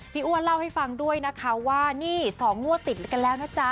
อ้วนเล่าให้ฟังด้วยนะคะว่านี่๒งวดติดกันแล้วนะจ๊ะ